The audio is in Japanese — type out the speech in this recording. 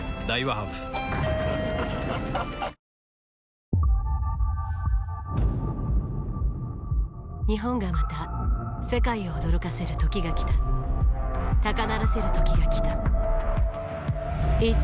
ハッハッハッハ日本がまた世界を驚かせる時が来た高鳴らせる時が来たＩｔ